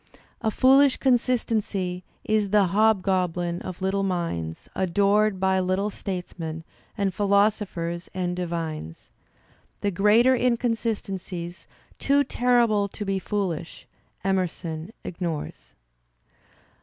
"A foolish consistency is the hobgoblin of little minds, adored by little statesmen, and philosophers and divines.*' The greater inconsistencies, too terrible to be foolisl]^ Emerson ignores.